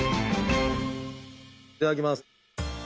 いただきます。